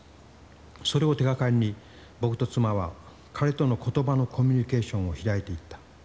それを手がかりに僕と妻は彼との言葉のコミュニケーションを開いていった。